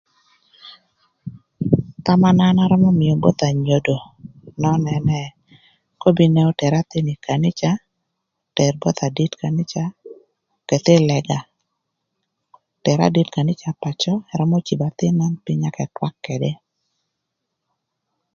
Thama na an arömö mïö both anyodo nön ënë, akobo nïnë oter athïn ï kanica, oter both adit kanica eketh ï lëga, oter adit kanica pacö ërömö cibo athïn nön pïny cë ëtwak ködë.